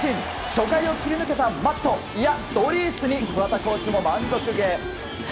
初回を切り抜けたマット、いや、ドリースに桑田コーチも満足げ。